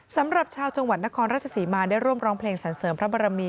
สำหรับชาวจังหวัดนครราชศรีมาได้ร่วมร้องเพลงสรรเสริมพระบรมี